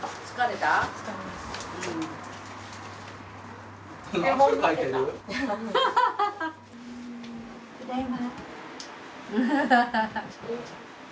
ただいま！